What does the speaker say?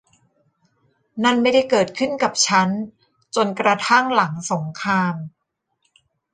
นั่นไม่ได้เกิดขึ้นกับฉันจนกระทั่งหลังสงคราม